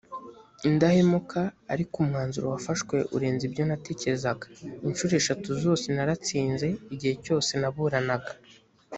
indahemuka ariko umwanzuro wafashwe urenze ibyo natekerezaga incuro eshatu zose naratsinze igihe cyose naburanaga